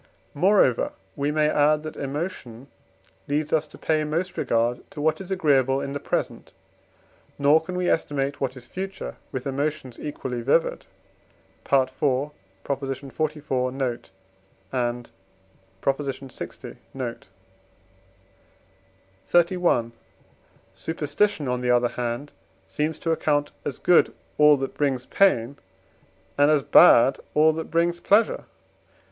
Moreover we may add that emotion leads us to pay most regard to what is agreeable in the present, nor can we estimate what is future with emotions equally vivid. (IV. xliv. note, and lx. note.) XXXI. Superstition, on the other hand, seems to account as good all that brings pain, and as bad all that brings pleasure.